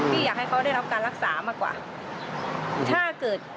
พี่อยากให้เขาได้รับการรักษามากกว่า